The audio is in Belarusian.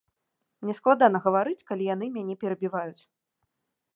Мне складана гаварыць, калі яны мяне перабіваюць.